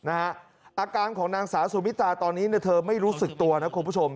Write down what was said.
อาการของนางสาวสุมิตาตอนนี้เธอไม่รู้สึกตัวนะคุณผู้ชม